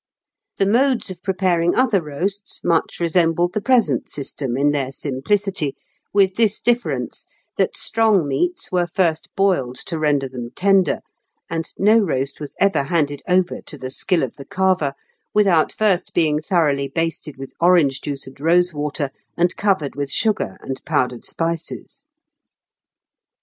The modes of preparing other roasts much resembled the present system in their simplicity, with this difference, that strong meats were first boiled to render them tender, and no roast was ever handed over to the skill of the carver without first being thoroughly basted with orange juice and rose water, and covered with sugar and powdered spices.